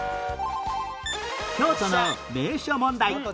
京都の名所問題